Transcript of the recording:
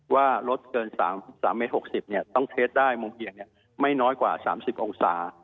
ว่ารถเกินสามสามเมตรหกสิบเนี่ยต้องเทรนด์ได้มุมเทียงเนี่ยไม่น้อยกว่าสามสิบองศา